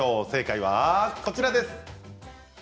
正解はこちらです。